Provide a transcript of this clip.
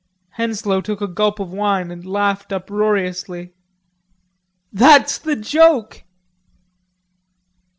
Henslowe took a gulp of wine and laughed uproariously. "That's the joke."